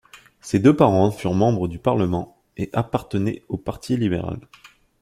Ses deux parents furent membres du parlement et appartenaient au Parti libéral.